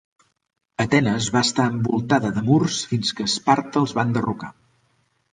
Atenes va estar envoltada de murs fins que Esparta els va enderrocar.